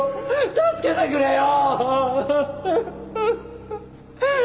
助けてくれよ